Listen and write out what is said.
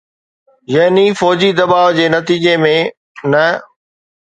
يعني فوجي دٻاءُ جي نتيجي ۾ نه.